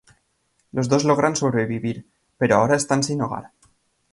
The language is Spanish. Los dos logran sobrevivir, pero ahora están sin hogar.